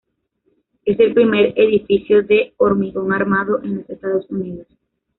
Es el primer edificio de hormigón armado en los Estados Unidos.